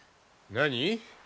何？